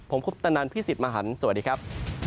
ผมคุปตนันพี่สิทธิ์มหันฯสวัสดีครับ